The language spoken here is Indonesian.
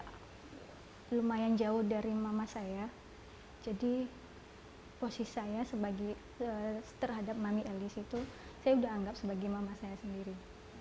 karena saya lumayan jauh dari mama saya jadi posisi saya terhadap mami elis itu saya sudah anggap sebagai mama saya sendiri